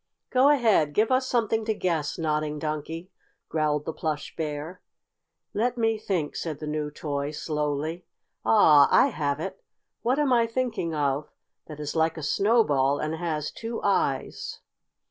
"Go ahead! Give us something to guess, Nodding Donkey!" growled the Plush Bear. "Let me think," said the new toy, slowly. "Ah, I have it! What am I thinking of that is like a snowball and has two eyes?"